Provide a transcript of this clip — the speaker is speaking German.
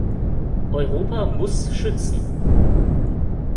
Europa muss schützen.